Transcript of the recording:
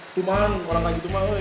tuman orang orang di rumah weh